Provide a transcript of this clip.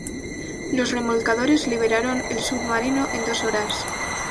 Los remolcadores liberaron el submarino en dos horas.